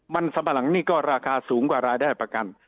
มันสัมปะหลังนี่ก็ราคาสูงกว่ารายได้ประกัน